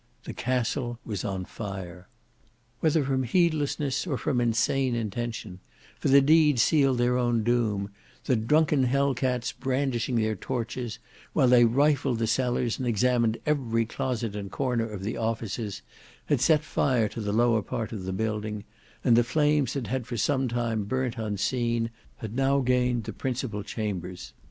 The Castle was on fire. Whether from heedlessness or from insane intention, for the deed sealed their own doom, the drunken Hell cats brandishing their torches, while they rifled the cellars and examined every closet and corner of the offices, had set fire to the lower part of the building, and the flames that had for some time burnt unseen, had now gained the principal chambers.